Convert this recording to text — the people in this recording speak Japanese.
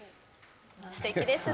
すてきですね。